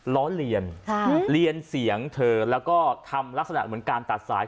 ล้อเลียนเรียนเสียงเธอแล้วก็ทำลักษณะเหมือนการตัดสาย